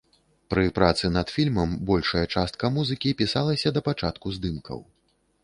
Пры працы над фільмам большая частка музыкі пісалася да пачатку здымкаў.